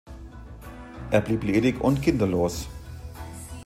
Er blieb ledig und kinderlos.